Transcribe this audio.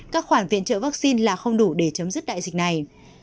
các khoản viện trợ vaccine là không đủ để chấm dứt đại dịch này